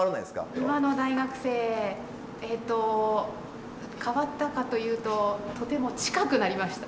今の大学生えっと変わったかというととても近くなりました。